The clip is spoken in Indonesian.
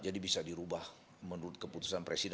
jadi bisa dirubah menurut keputusan presiden